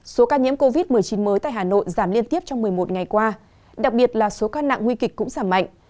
số ca nhiễm covid một mươi chín mới tại hà nội giảm liên tiếp trong một mươi một ngày qua đặc biệt là số ca nặng nguy kịch cũng giảm mạnh